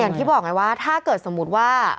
อย่างที่บอกไงว่าถ้าเกิดสมมุติว่า